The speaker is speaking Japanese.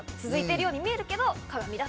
続いているように見えるけど鏡。